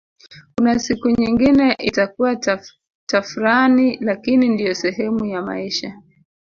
Kuna siku nyingine itakuwa tafrani lakini ndiyo sehemu ya maisha